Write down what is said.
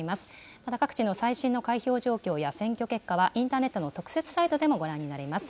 また、各地の最新の開票状況や選挙結果は、インターネットの特設サイトでもご覧になれます。